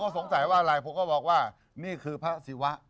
สงสัยว่าอะไรผมก็บอกว่านี่คือพระศิวะ